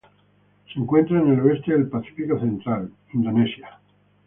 Se encuentran en el oeste del Pacífico central: Indonesia.